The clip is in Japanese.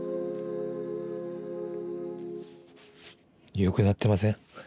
よくなってません？